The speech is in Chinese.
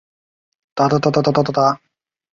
血压升高和肌肉震颤和呼吸减慢则较罕见。